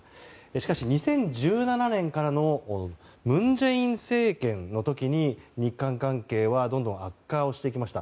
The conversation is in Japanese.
しかし、２０１７年からの文在寅政権の時に日韓関係はどんどん悪化していきました。